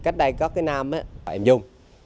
em có cái nam đó em dung